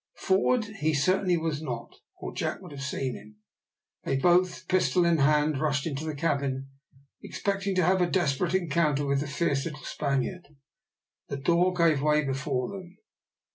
Forward he certainly was not, or Jack would have seen him. They both, pistol in hand, rushed into the cabin, expecting to have a desperate encounter with the fierce little Spaniard. The door gave way before them.